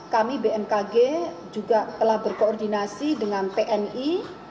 kami bmkg juga telah berkoordinasi dengan tni